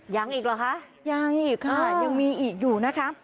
ยังอีกเหรอคะยังอีกค่ะยังมีอีกอยู่นะคะ